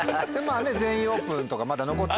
「全員オープン」とかまだ残ってる。